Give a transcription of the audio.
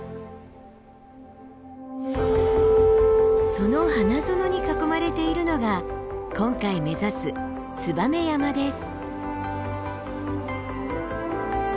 その花園に囲まれているのが今回目指すツバメ山です。